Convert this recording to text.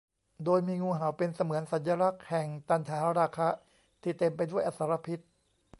โดยมีงูเห่าเป็นเสมือนสัญลักษณ์แห่งตัณหาราคะที่เต็มไปด้วยอสรพิษ